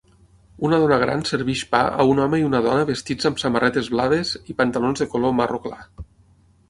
Una dona gran serveix pa a un home i una dona vestits amb samarretes blaves i pantalons de color marró clar